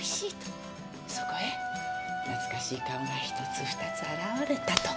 そこへ懐かしい顔が１つ２つ現れたと。